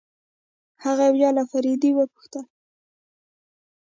هغې بيا له فريدې وپوښتل.